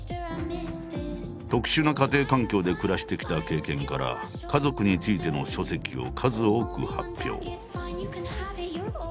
特殊な家庭環境で暮らしてきた経験から家族についての書籍を数多く発表。